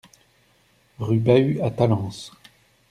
Rue Bahus à Talence